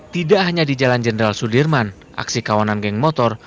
tidak hanya di jalan jenderal sudirman aksi kawanan geng motor